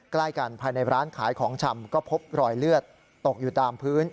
ใกล้กันภายในร้านขายของชำก็พบรอยเลือดตกอยู่ตามพื้น